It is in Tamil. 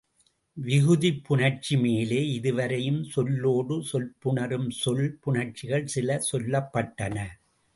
விகுதிப் புணர்ச்சி மேலே, இதுவரையும், சொல்லோடு சொல்புணரும் சொல் புணர்ச்சிகள் சில சொல்லப்பட்டன.